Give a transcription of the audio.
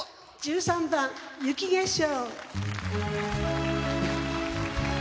１３番「雪化粧」。